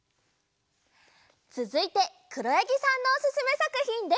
つづいてくろやぎさんのおすすめさくひんです！